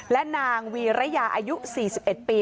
และนางวีรยาอายุ๔๑ปี